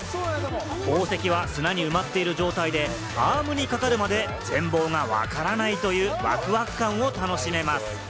宝石は砂に埋まっている状態でアームにかかるまで全貌がわからないというワクワク感を楽しめます。